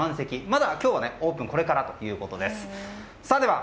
まだ、今日はオープンこれからということです。